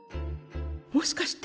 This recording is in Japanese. もしかして。